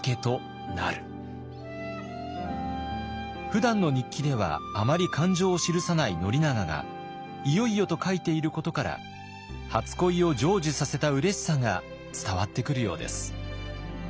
ふだんの日記ではあまり感情を記さない宣長が「いよいよ」と書いていることから初恋を成就させたうれしさが伝わってくるようです。